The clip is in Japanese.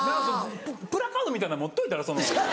プラカードみたいなん持っといたら？